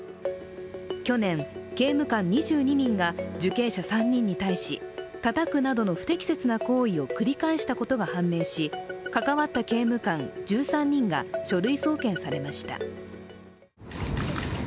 去年、刑務官２２人が受刑者３人に対したたくなどの不適切な行為を繰り返したことが判明し、関わった刑務官１３人が書類送検されました。